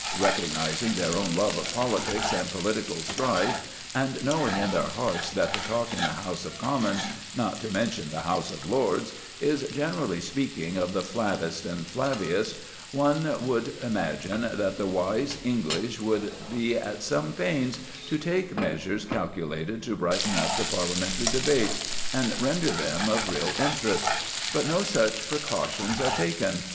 Recognising their own love of politics and political strife, and knowing in their hearts that the talk in the House of Commons not to mention the House of Lords is, generally speaking, of the flattest and flabbiest, one would imagine that the wise English would be at some pains to take measures calculated to brighten up the Parliamentary debates and render them of real interest. But no such precautions are taken.